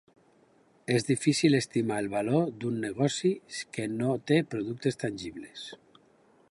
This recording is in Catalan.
És difícil estimar el valor d'un negoci que no té productes tangibles.